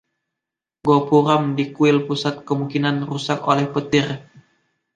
Gopuram di kuil pusat kemungkinan rusak oleh petir.